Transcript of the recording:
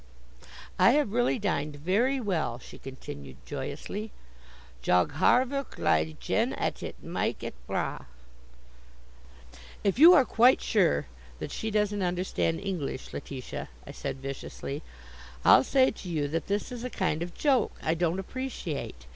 "'I have really dined very well,'" she continued joyously. "Jag har verkligen atit mycket bra.'" "If you are quite sure that she doesn't understand English, Letitia," I said viciously, "I'll say to you that this is a kind of joke I don't appreciate.